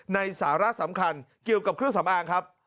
สาระสำคัญเกี่ยวกับเครื่องสำอางครับ